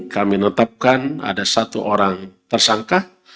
kami menetapkan ada satu orang tersangka